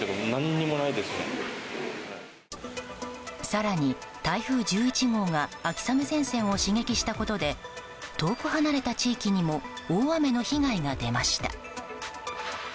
更に、台風１１号が秋雨前線を刺激したことで遠く離れた地域にも大雨の被害が出ました。